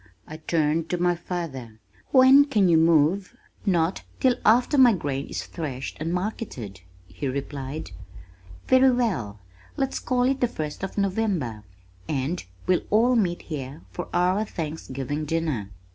I turned to my father. "When can you move?" "Not till after my grain is threshed and marketed," he replied. "Very well, let's call it the first of November, and we'll all meet here for our Thanksgiving dinner."